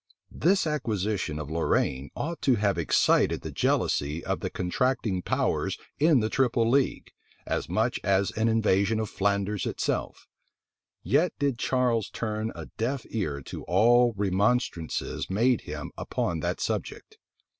This acquisition of Lorraine ought to have excited the jealousy of the contracting powers in the triple league, as much as an invasion of Flanders itself; yet did Charles turn a deaf ear to all remonstrances made him upon that subject.